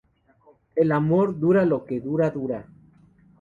El amor dura lo que dura dura